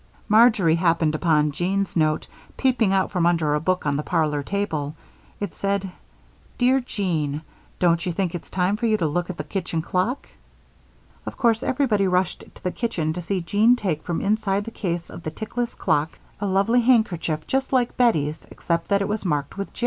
Marjory happened upon Jean's note peeping out from under a book on the parlor table. It said: "Dear Jean: Don't you think it's time for you to look at the kitchen clock?" Of course everybody rushed to the kitchen to see Jean take from inside the case of the tickless clock a lovely handkerchief just like Bettie's except that it was marked with "J."